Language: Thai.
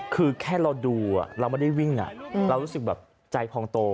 คือแค่เราดูเราไม่ได้วิ่งเรารู้สึกแบบใจพองโต